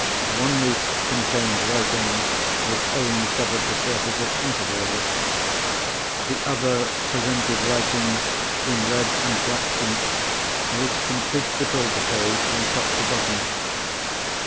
One leaf contained writing which only covered the surface at intervals. The other presented writing, in red and black ink, which completely filled the page from top to bottom.